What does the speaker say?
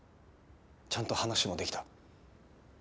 ちゃんと話もできた。